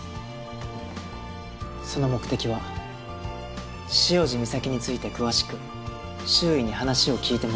その目的は潮路岬について詳しく周囲に話を聞いてもらう事。